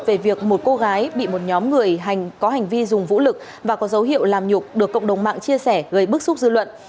về việc một cô gái bị một nhóm người hành có hành vi dùng vũ lực và có dấu hiệu làm nhục được cộng đồng mạng chia sẻ gây bức xúc dư luận